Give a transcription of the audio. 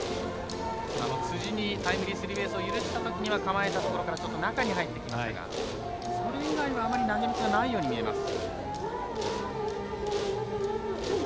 辻にタイムリースリーベースを許したときには構えたところから中に入っていきましたがそれ以外は投げミスがないように見えます。